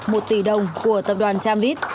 một tỷ đồng của tập đoàn tramvit